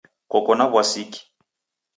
Koko na w'asiki?